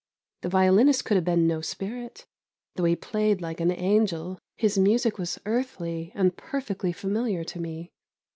The violinist could have been no spirit; though he played like an angel, his music was earthly, and perfectly familiar to me.